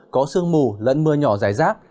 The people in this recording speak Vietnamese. có sương mù lẫn mưa nhỏ rải rác